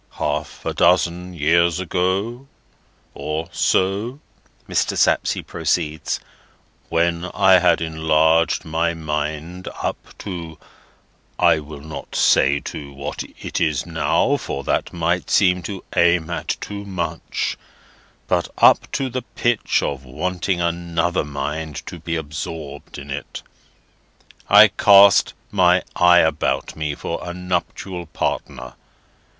"Half a dozen years ago, or so," Mr. Sapsea proceeds, "when I had enlarged my mind up to—I will not say to what it now is, for that might seem to aim at too much, but up to the pitch of wanting another mind to be absorbed in it—I cast my eye about me for a nuptial partner.